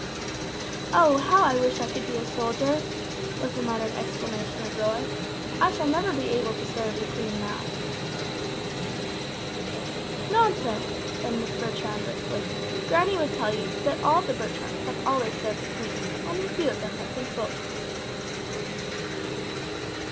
'" "Oh, how I wish I could be a soldier!" was the muttered exclamation of Roy, "I shall never be able to serve the Queen now!" "Nonsense," said Miss Bertram, briskly; "granny would tell you 'that all the Bertrams have always served the Queen, and only a few of them have been soldiers!'"